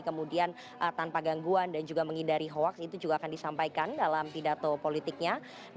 kemudian tanpa gangguan dan juga menghindari hoaks itu juga akan disampaikan dalam pidato politiknya